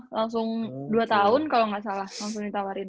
langsung dua tahun kalo gak salah langsung ditawarin